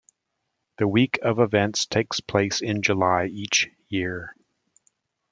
The week of events takes place in July each year.